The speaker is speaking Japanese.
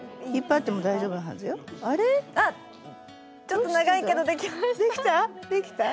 ちょっと長いけどできました。